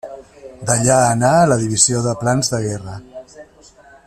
D'allà anà a la Divisió de Plans de Guerra.